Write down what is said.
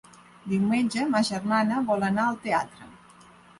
Diumenge ma germana vol anar al teatre.